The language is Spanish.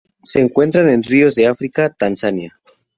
Se encuentran en ríos de África: Tanzania.